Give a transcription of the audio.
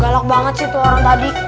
galak banget sih itu orang tadi